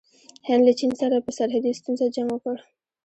هند له چین سره په سرحدي ستونزه جنګ وکړ.